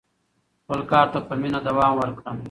خپل کار ته په مینه دوام ورکړه.